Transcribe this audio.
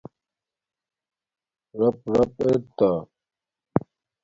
رَپ راپ ارتا